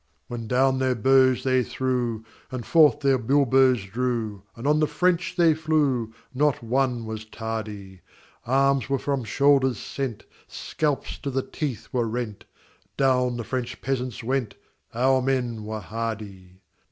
When down their bows they threw, And forth their bilboes drew, And on the French they flew, Not one was tardy; Arms were from shoulders sent, Scalps to the teeth were rent, Down the French peasants went; Our men were hardy.